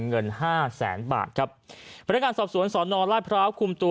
เงินห้าแสนบาทครับพนักงานสอบสวนสอนอราชพร้าวคุมตัว